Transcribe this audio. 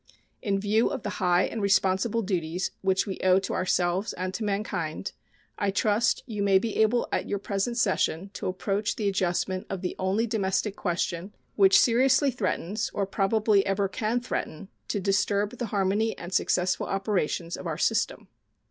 In view of the high and responsible duties which we owe to ourselves and to mankind, I trust you may be able at your present session to approach the adjustment of the only domestic question which seriously threatens, or probably ever can threaten, to disturb the harmony and successful operations of our system.